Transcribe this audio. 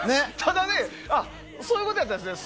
そういうことやったんですね。